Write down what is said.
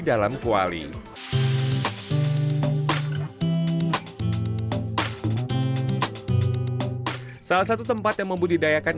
diawali dengan pemberian pakan